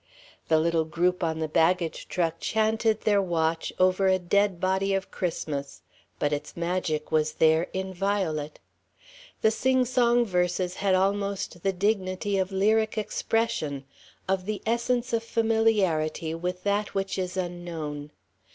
The little group on the baggage truck chanted their watch over a dead body of Christmas, but its magic was there, inviolate. The singsong verses had almost the dignity of lyric expression, of the essence of familiarity with that which is unknown.